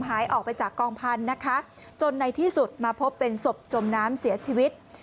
หายออกไปจากกองพันธุ์นะคะจนในที่สุดมาพบเป็นศพจมน้ำเสียชีวิต